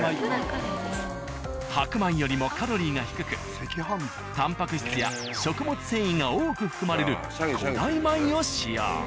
白米よりもカロリーが低くタンパク質や食物繊維が多く含まれる古代米を使用。